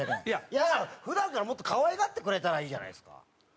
いやだから普段からもっと可愛がってくれたらいいじゃないですか。